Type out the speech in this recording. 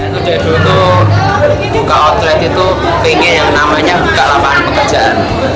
sejak dulu tuh buka outlet itu pingin yang namanya buka lapangan pekerjaan